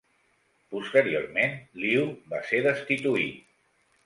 Posteriorment, Liu va ser destituït.